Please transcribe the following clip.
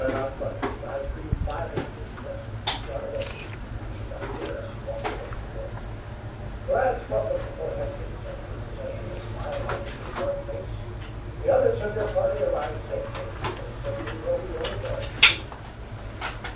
"Not much. I treed five Injuns, an' two got away," answered the hunter as he walked toward the fort. "Lads, welcome to Fort Henry," said Colonel Zane, a smile lighting his dark face. "The others of your party arrived safely. They certainly will be overjoyed to see you."